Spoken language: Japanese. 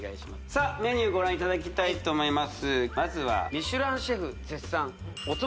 さあメニューご覧いただきたいと思います